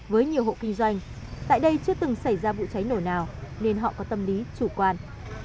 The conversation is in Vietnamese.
với nhiều hộ kinh doanh tại đây chưa từng xảy ra vụ cháy nổ nào nên họ có tâm lý chủ quan